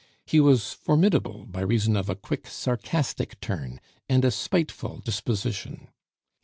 He was formidable by reason of a quick, sarcastic turn and a spiteful disposition.